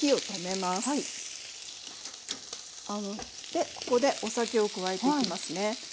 でここでお酒を加えていきますね。